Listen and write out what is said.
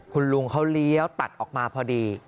คุณลุงเขาเลี้ยวตัดออกมาพอดี